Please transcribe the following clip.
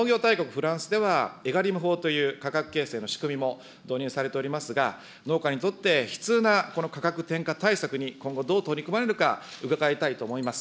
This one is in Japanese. フランスでは、エガリム法という価格形成の仕組みも導入されておりますが、農家にとって悲痛なこの価格転嫁対策に、今後、どう取り組まれるか伺いたいと思います。